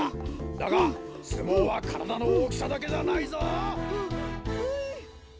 だがすもうはからだのおおきさだけじゃないぞ！ははい。